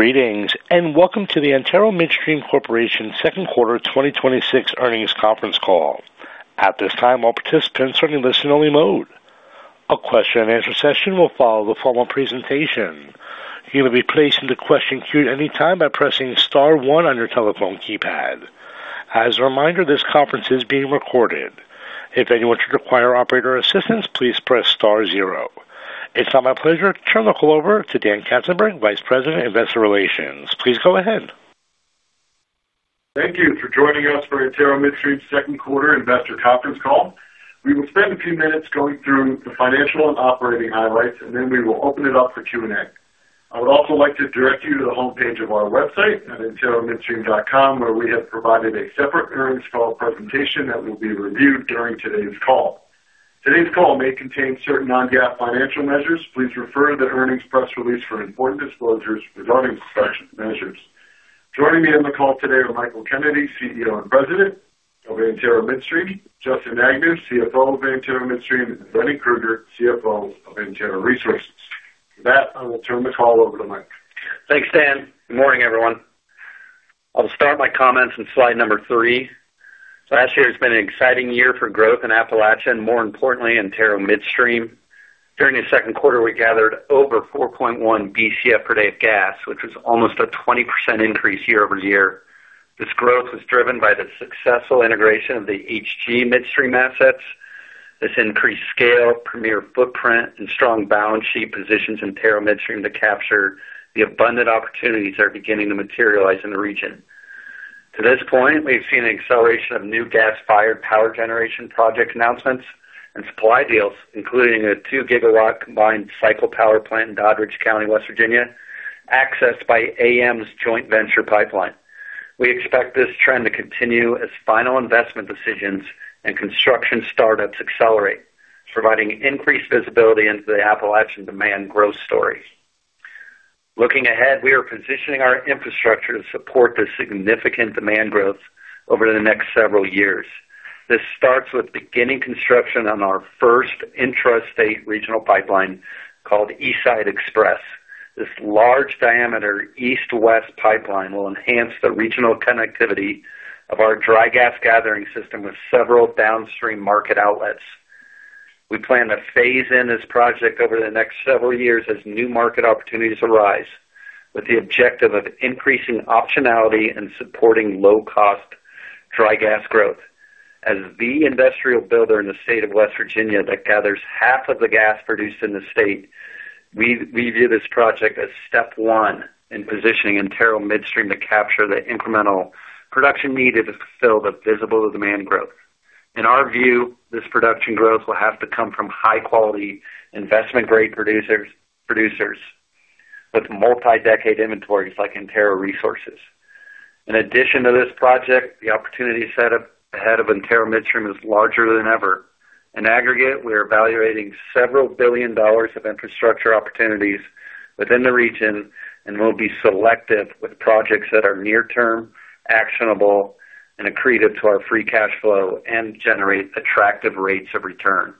Greetings, and welcome to the Antero Midstream Corporation Second Quarter 2026 Earnings Conference Call. At this time, all participants are in listen only mode. A question and answer session will follow the formal presentation. You will be placed into question queue at any time by pressing star one on your telephone keypad. As a reminder, this conference is being recorded. If anyone should require operator assistance, please press star zero. It's now my pleasure to turn the call over to Dan Katzenberg, Vice President, Investor Relations. Please go ahead. Thank you for joining us for Antero Midstream second quarter investor conference call. We will spend a few minutes going through the financial and operating highlights. Then we will open it up for Q&A. I would also like to direct you to the homepage of our website at anteromidstream.com, where we have provided a separate earnings call presentation that will be reviewed during today's call. Today's call may contain certain non-GAAP financial measures. Please refer to the earnings press release for important disclosures regarding such measures. Joining me on the call today are Michael Kennedy, CEO and President of Antero Midstream, Justin Agnew, CFO of Antero Midstream, and Lenny Krueger, CFO of Antero Resources. With that, I will turn the call over to Mike. Thanks, Dan. Good morning, everyone. I'll start my comments on slide number three. Last year has been an exciting year for growth in Appalachia, and more importantly, Antero Midstream. During the second quarter, we gathered over 4.1 BCF per day of gas, which was almost a 20% increase year-over-year. This growth was driven by the successful integration of the HG Midstream assets. This increased scale, premier footprint, and strong balance sheet positions Antero Midstream to capture the abundant opportunities that are beginning to materialize in the region. To this point, we've seen an acceleration of new gas-fired power generation project announcements and supply deals, including a 2 GW combined cycle power plant in Doddridge County, West Virginia, accessed by AM's joint venture pipeline. We expect this trend to continue as final investment decisions and construction startups accelerate, providing increased visibility into the Appalachian demand growth story. Looking ahead, we are positioning our infrastructure to support the significant demand growth over the next several years. This starts with beginning construction on our first intrastate regional pipeline called East Side Express. This large diameter east to west pipeline will enhance the regional connectivity of our dry gas gathering system with several downstream market outlets. We plan to phase in this project over the next several years as new market opportunities arise, with the objective of increasing optionality and supporting low cost dry gas growth. As the industrial builder in the state of West Virginia that gathers half of the gas produced in the state, we view this project as step one in positioning Antero Midstream to capture the incremental production needed to fulfill the visible demand growth. In our view, this production growth will have to come from high quality investment-grade producers with multi-decade inventories like Antero Resources. In addition to this project, the opportunity set ahead of Antero Midstream is larger than ever. In aggregate, we are evaluating several billion dollars of infrastructure opportunities within the region and will be selective with projects that are near-term, actionable, and accretive to our free cash flow and generate attractive rates of return.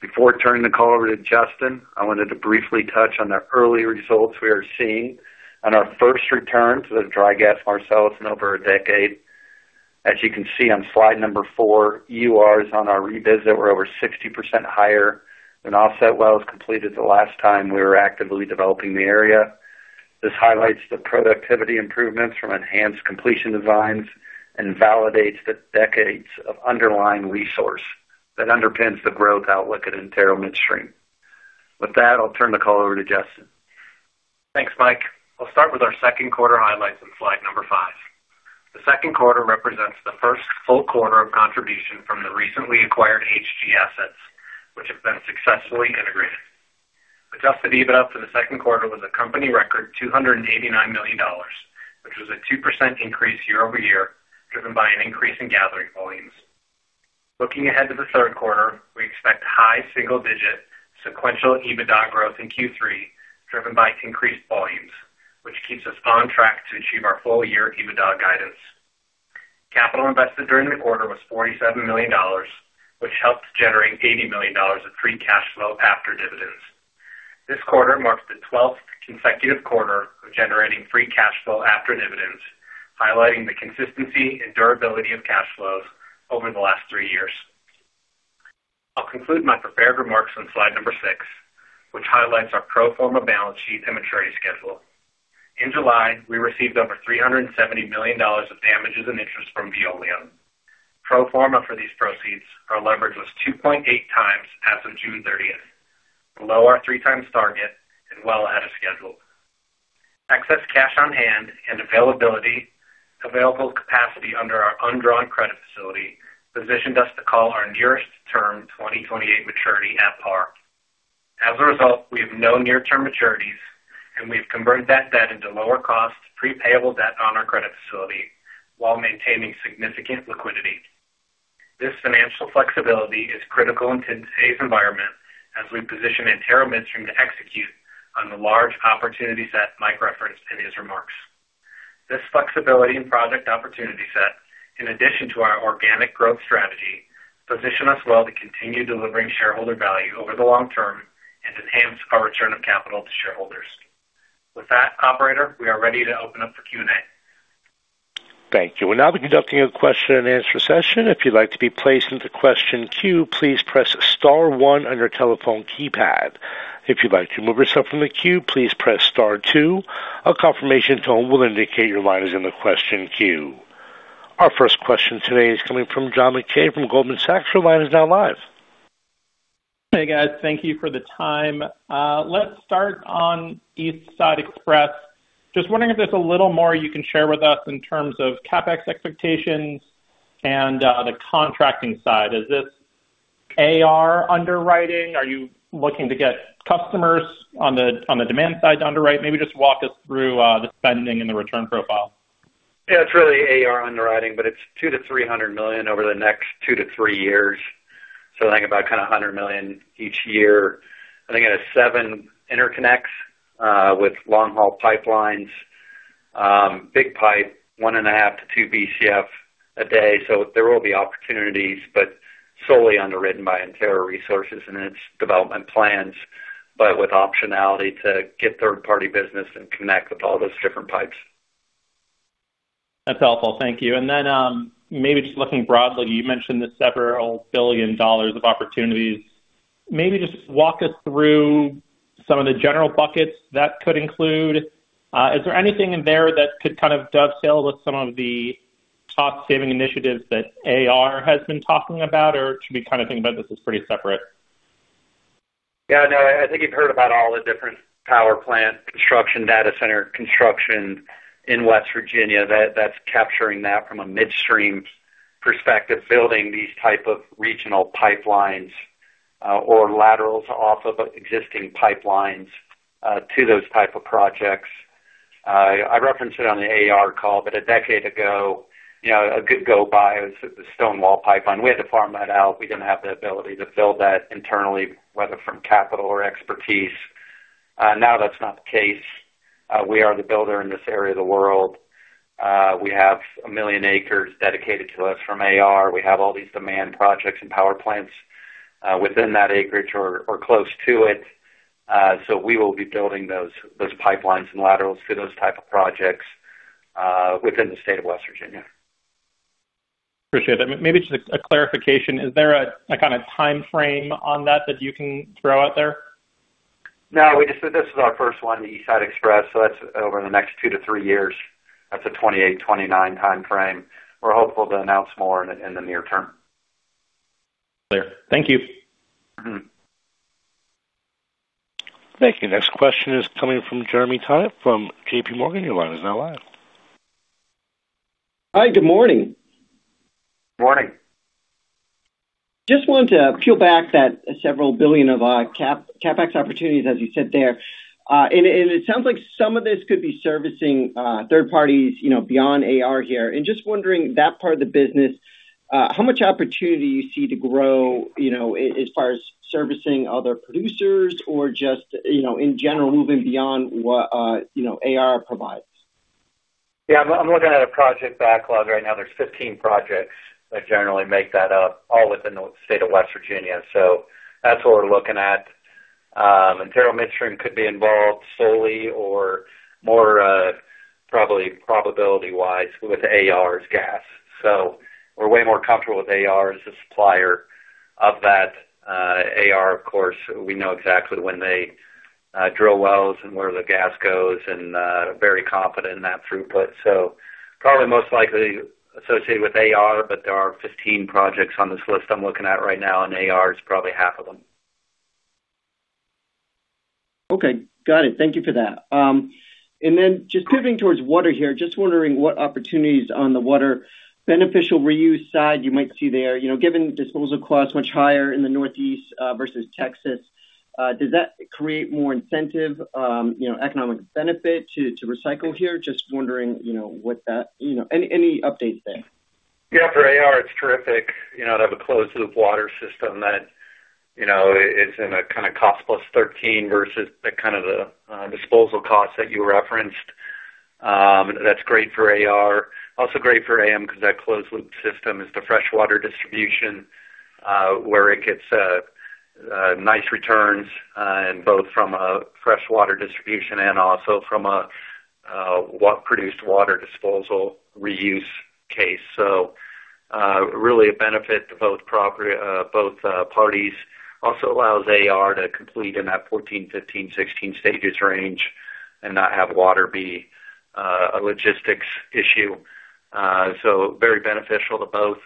Before turning the call over to Justin, I wanted to briefly touch on the early results we are seeing on our first return to the dry gas Marcellus in over a decade. As you can see on slide number four, EURs on our revisit were over 60% higher than offset wells completed the last time we were actively developing the area. This highlights the productivity improvements from enhanced completion designs and validates the decades of underlying resource that underpins the growth outlook at Antero Midstream. With that, I'll turn the call over to Justin. Thanks, Mike. I'll start with our second quarter highlights on slide number five. The second quarter represents the first full quarter of contribution from the recently acquired HG assets, which have been successfully integrated. Adjusted EBITDA for the second quarter was a company record $289 million, which was a 2% increase year-over-year, driven by an increase in gathering volumes. Looking ahead to the third quarter, we expect high single-digit sequential EBITDA growth in Q3 driven by increased volumes, which keeps us on track to achieve our full year EBITDA guidance. Capital invested during the quarter was $47 million, which helped generate $80 million of free cash flow after dividends. This quarter marks the twelfth consecutive quarter of generating free cash flow after dividends, highlighting the consistency and durability of cash flows over the last three years. I'll conclude my prepared remarks on slide number six, which highlights our pro forma balance sheet and maturity schedule. In July, we received over $370 million of damages and interest from Veolia. Pro forma for these proceeds, our leverage was 2.8 times as of June 30th, below our 3 times target and well ahead of schedule. Excess cash on hand and available capacity under our undrawn credit facility positioned us to call our nearest term 2028 maturity at par. As a result, we have no near-term maturities, and we've converted that debt into lower cost, pre-payable debt on our credit facility while maintaining significant liquidity. This financial flexibility is critical in today's environment as we position Antero Midstream to execute on the large opportunity set Mike referenced in his remarks. Flexibility and project opportunity set, in addition to our organic growth strategy, position us well to continue delivering shareholder value over the long term and enhance our return of capital to shareholders. With that, operator, we are ready to open up for Q&A. Thank you. We'll now be conducting a question and answer session. If you'd like to be placed into question queue, please press star one on your telephone keypad. If you'd like to remove yourself from the queue, please press star two. A confirmation tone will indicate your line is in the question queue. Our first question today is coming from John Mackay from Goldman Sachs. Your line is now live. Hey, guys. Thank you for the time. Let's start on East Side Express. Just wondering if there's a little more you can share with us in terms of CapEx expectations and the contracting side. Is this AR underwriting? Are you looking to get customers on the demand side to underwrite? Maybe just walk us through the spending and the return profile. Yeah, it's really AR underwriting. It's $200 million-$300 million over the next two to three years. I think about kind of $100 million each year. I think it has seven interconnects, with long haul pipelines. Big pipe, 1.5 to 2 BCF a day. There will be opportunities, solely underwritten by Antero Resources and its development plans, with optionality to get third party business and connect with all those different pipes. That's helpful. Thank you. Maybe just looking broadly, you mentioned the several billion dollars of opportunities. Maybe just walk us through some of the general buckets that could include. Is there anything in there that could kind of dovetail with some of the cost-saving initiatives that AR has been talking about? Should we kind of think about this as pretty separate? I think you've heard about all the different power plant construction, data center construction in West Virginia. That's capturing that from a midstream perspective, building these type of regional pipelines, or laterals off of existing pipelines, to those type of projects. I referenced it on the AR call, but a decade ago, a good go by was the Stonewall Pipeline. We had to farm that out. We didn't have the ability to build that internally, whether from capital or expertise. Now that's not the case. We are the builder in this area of the world. We have 1 million acres dedicated to us from AR. We have all these demand projects and power plants within that acreage or close to it. We will be building those pipelines and laterals for those type of projects within the state of West Virginia. Appreciate that. Maybe just a clarification. Is there a kind of timeframe on that that you can throw out there? This is our first one, the East Side Express. That's over the next two to three years. That's a 2028, 2029 timeframe. We're hopeful to announce more in the near term. Clear. Thank you. Thank you. Next question is coming from Jeremy Tonet from J.P. Morgan. Your line is now live. Hi. Good morning. Morning. Just wanted to peel back that several billion of CapEx opportunities, as you said there. It sounds like some of this could be servicing third parties beyond AR here. Just wondering, that part of the business, how much opportunity you see to grow, as far as servicing other producers or just, in general, moving beyond what AR provides? Yeah. I'm looking at a project backlog right now. There's 15 projects that generally make that up, all within the state of West Virginia. That's what we're looking at. Antero Midstream could be involved solely or more, probability-wise with AR's gas. We're way more comfortable with AR as a supplier of that. AR, of course, we know exactly when they drill wells and where the gas goes and very confident in that throughput. Probably most likely associated with AR, but there are 15 projects on this list I'm looking at right now, and AR is probably half of them. Got it. Thank you for that. Just pivoting towards water here, just wondering what opportunities on the water beneficial reuse side you might see there. Given disposal cost much higher in the Northeast, versus Texas, does that create more incentive, economic benefit to recycle here? Just wondering any updates there. For AR, it's terrific to have a closed loop water system that it's in a kind of cost plus 13 versus the kind of the disposal cost that you referenced. That's great for AR. Also great for AM because that closed loop system is the freshwater distribution, where it gets nice returns, both from a freshwater distribution and also from a produced water disposal reuse case. Really a benefit to both parties. Also allows AR to complete in that 14, 15, 16 stages range and not have water be a logistics issue. Very beneficial to both.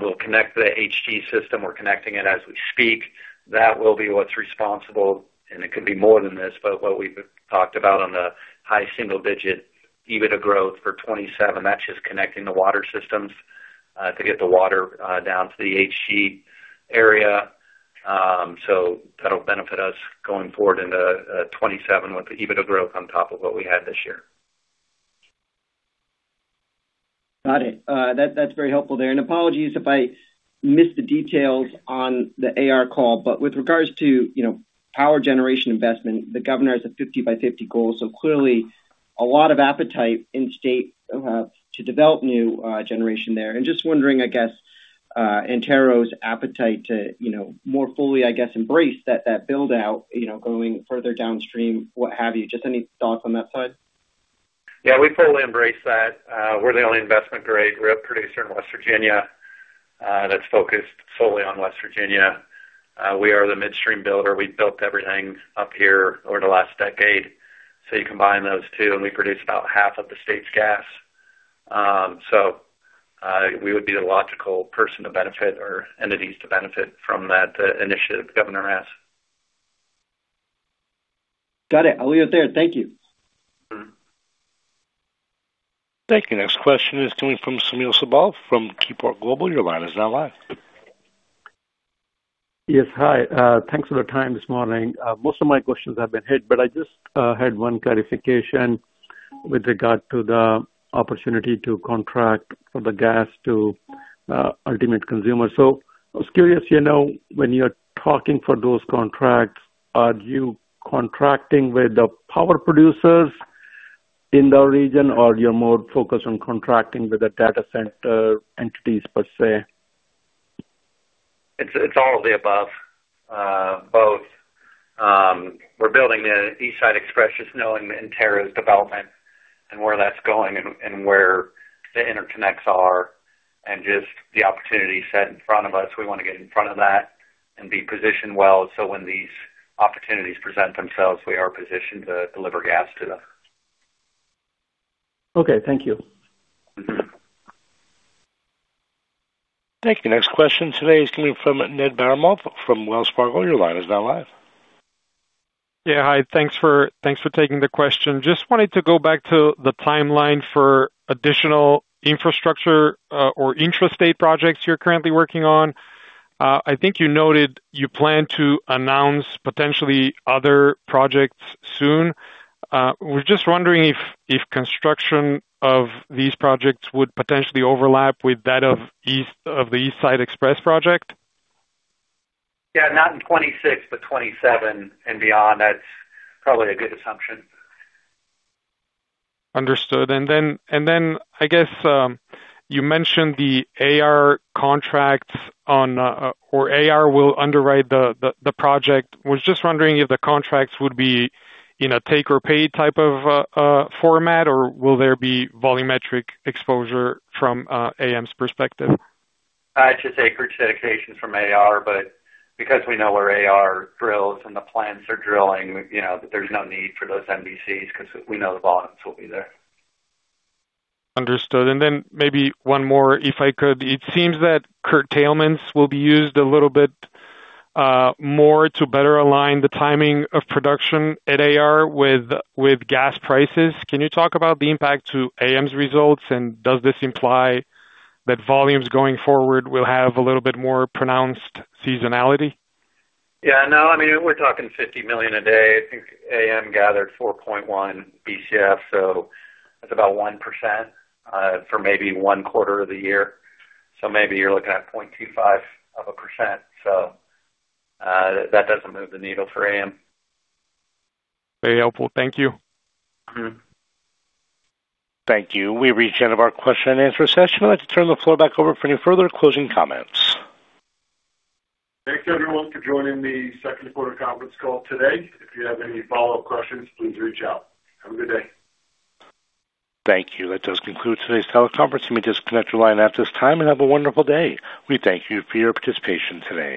We'll connect the HG system. We're connecting it as we speak. That will be what's responsible, and it could be more than this, but what we've talked about on the high single digit EBITDA growth for 2027. That's just connecting the water systems to get the water down to the HG area. That'll benefit us going forward into 2027 with the EBITDA growth on top of what we had this year. Got it. That's very helpful there. Apologies if I missed the details on the AR call. With regards to power generation investment, the governor has a 50 by 50 goal, clearly a lot of appetite in state to develop new generation there. Just wondering, I guess, Antero's appetite to more fully, I guess, embrace that build-out going further downstream, what have you. Just any thoughts on that side? We fully embrace that. We're the only investment-grade producer in West Virginia that's focused solely on West Virginia. We are the midstream builder. We've built everything up here over the last decade. You combine those two, and we produce about half of the state's gas. We would be the logical person to benefit or entities to benefit from that initiative the governor has. Got it. I'll leave it there. Thank you. Thank you. Next question is coming from Sunil Sibal from Seaport Global. Your line is now live. Yes. Hi. Thanks for the time this morning. Most of my questions have been hit, but I just had one clarification with regard to the opportunity to contract for the gas to ultimate consumer. I was curious, when you're talking for those contracts, are you contracting with the power producers in the region, or you're more focused on contracting with the data center entities, per se? It's all of the above. Both. We're building the East Side Express, just knowing Antero's development and where that's going and where the interconnects are and just the opportunity set in front of us. We want to get in front of that and be positioned well, so when these opportunities present themselves, we are positioned to deliver gas to them. Okay. Thank you. Thank you. Next question today is coming from Ned Baramov from Wells Fargo. Your line is now live. Yeah. Hi. Thanks for taking the question. Just wanted to go back to the timeline for additional infrastructure or intrastate projects you're currently working on. I think you noted you plan to announce potentially other projects soon. Was just wondering if construction of these projects would potentially overlap with that of the East Side Express project. Yeah, not in 2026, but 2027 and beyond. That's probably a good assumption. Understood. I guess, you mentioned the AR contracts or AR will underwrite the project. Was just wondering if the contracts would be in a take or pay type of format, or will there be volumetric exposure from AM's perspective? It's just acreage dedication from AR. Because we know where AR drills and the plans for drilling, there's no need for those MVCs because we know the volumes will be there. Understood. Maybe one more, if I could. It seems that curtailments will be used a little bit more to better align the timing of production at AR with gas prices. Can you talk about the impact to AM's results? Does this imply that volumes going forward will have a little bit more pronounced seasonality? Yeah, no. I mean, we're talking $50 million a day. I think AM gathered 4.1 BCF, that's about 1% for maybe one quarter of the year. Maybe you're looking at 0.25%. That doesn't move the needle for AM. Very helpful. Thank you. Thank you. We've reached the end of our question and answer session. I'd like to turn the floor back over for any further closing comments. Thanks, everyone, for joining the second quarter conference call today. If you have any follow-up questions, please reach out. Have a good day. Thank you. That does conclude today's teleconference. You may disconnect your line at this time and have a wonderful day. We thank you for your participation today.